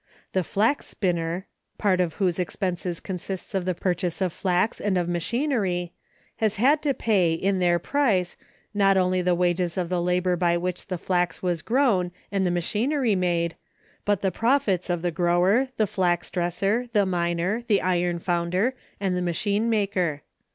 The flax spinner, part of whose expenses consists of the purchase of flax and of machinery, has had to pay, in their price, not only the wages of the labor by which the flax was grown and the machinery made, but the profits of the grower, the flax dresser, the miner, the iron founder, and the machine maker.